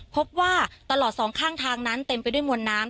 พบว่าตลอดสองข้างทางนั้นเต็มไปด้วยมวลน้ำ